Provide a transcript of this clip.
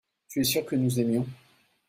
tu es sûr que nous aimions.